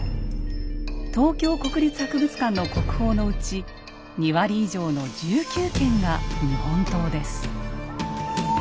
東京国立博物館の国宝のうち２割以上の１９件が日本刀です。